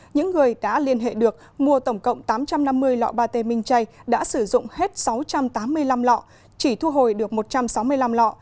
những người đã liên hệ được mua tổng cộng tám trăm năm mươi lọ bà tê minh chay đã sử dụng hết sáu trăm tám mươi năm lọ chỉ thu hồi được một trăm sáu mươi năm lọ